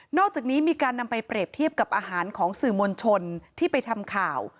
อกจากนี้มีการนำไปเปรียบเทียบกับอาหารของสื่อมวลชนที่ไปทำข่าว